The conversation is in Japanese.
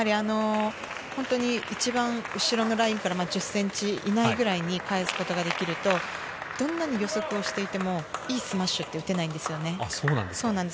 一番後ろのラインから１０ｃｍ以内くらいに返すことができるとどんなに予測をしていても、いいスマッシュって打てないんですよね。